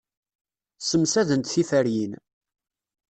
Ssemsadent tiferyin.